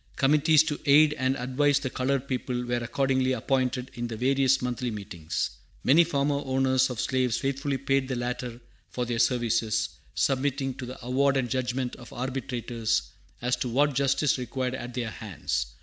Committees to aid and advise the colored people were accordingly appointed in the various Monthly Meetings. Many former owners of slaves faithfully paid the latter for their services, submitting to the award and judgment of arbitrators as to what justice required at their hands.